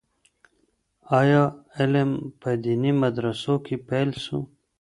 آيا علم په ديني مدرسو کي پيل سو؟